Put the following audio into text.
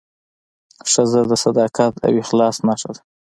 ښځه د صداقت او اخلاص نښه ده.